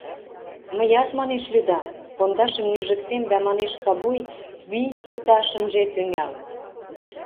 Мыят, манеш, лӱдам: пондашым нӱжыктем да, манеш, кабуй, вий пыташ ынже тӱҥал...